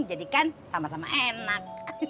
jadi kan sama sama enak